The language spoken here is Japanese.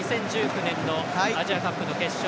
２０１９年のアジアカップの決勝